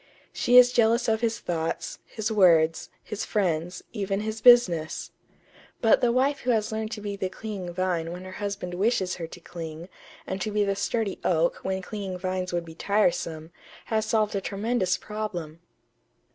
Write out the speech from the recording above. She is jealous of his thoughts, his words, his friends, even his business.... But the wife who has learned to be the clinging vine when her husband wishes her to cling, and to be the sturdy oak when clinging vines would be tiresome, has solved a tremendous problem."